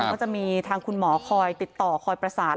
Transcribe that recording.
ก็จะมีทางคุณหมอคอยติดต่อคอยประสาน